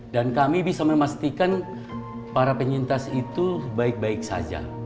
dan kami bisa memastikan para penyintas itu baik baik saja